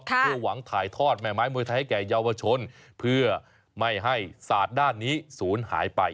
เพื่อหวังถ่ายทอดแม่ไม้มวยไทยให้แก่เยาวชนเพื่อไม่ให้ศาสตร์ด้านนี้ศูนย์หายไป